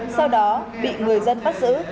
sau đó bị người dân bắt giữ